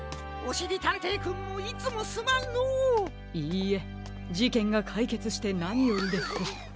いいえじけんがかいけつしてなによりです。